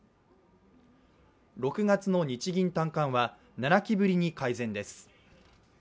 ６月の日銀短観は７期ぶりに改善です。